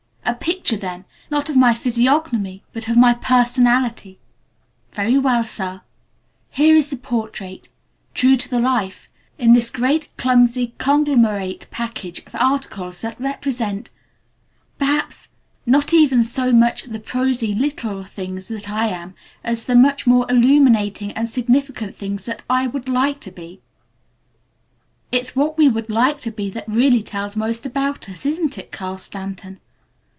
A picture, then, not of my physiognomy, but of my personality. Very well, sir. Here is the portrait true to the life in this great, clumsy, conglomerate package of articles that represent perhaps not even so much the prosy, literal things that I am, as the much more illuminating and significant things that I would like to be. It's what we would 'like to be' that really tells most about us, isn't it, Carl Stanton?